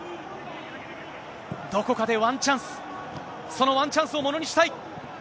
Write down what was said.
どこかでワンチャンス、そのワンチャンスをものにしたい。